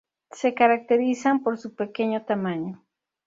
Se caracterizan por su pequeño tamaño.